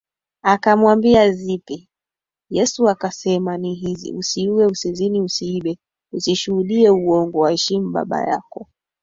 Akamwambia Zipi Yesu akasema Ni hizi Usiue Usizini Usiibe Usishuhudie uongo Waheshimu baba yako